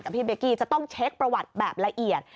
พี่เบกกี้จะต้องเช็คประวัติแบบละเอียด